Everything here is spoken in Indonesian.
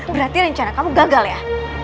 berarti rencana kamu gagal ya